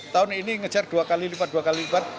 tahun ini ngejar dua kali lipat dua kali lipat